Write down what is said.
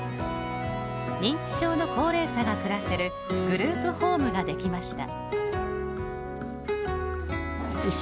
認知症の高齢者が暮らせるグループホームができました。